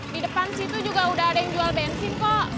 di depan situ juga udah ada yang jual bensin kok